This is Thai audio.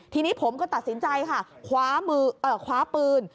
ทีนี้ผมก็ตัดสินใจค่ะคว้าปืน